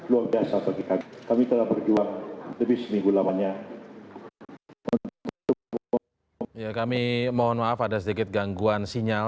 untuk memberikan sambutannya